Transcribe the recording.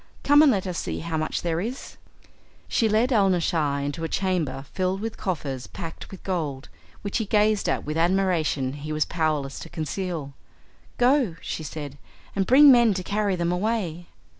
Come and let us see how much there is." She led Alnaschar into a chamber filled with coffers packed with gold, which he gazed at with an admiration he was powerless to conceal. "Go," she said, "and bring men to carry them away."